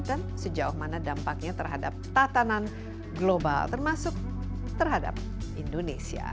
dan sejauh mana dampaknya terhadap tatanan global termasuk terhadap indonesia